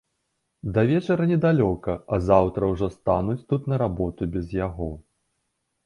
Да вечара недалёка, а заўтра ўжо стануць тут на работу без яго.